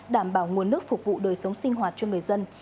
đảm bảo nguồn nước phục vụ đời sống sinh hoạt cho người dân